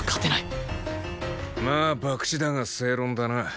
まあ博打だが正論だな。